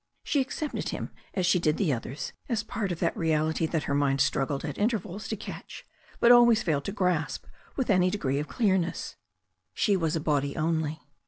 She accepted him as she did the others as part of that reality that her mind struggled at mtcrvals to catch, but always failed to grasp with any de gree of clearness. She was a body only.